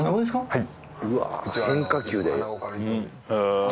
はい